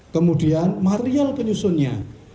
kemudian material penyusunnya